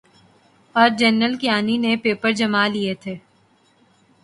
اورجنرل کیانی نے پیر جمالیے تھے۔